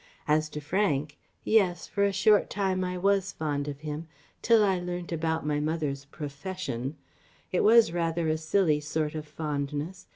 As to Frank yes for a short time I was fond of him till I learnt about my mother's 'profession.' It was rather a silly sort of fondness.